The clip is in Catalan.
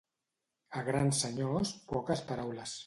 A grans senyors, poques paraules.